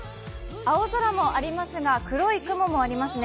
青空もありますが黒い雲もありますね。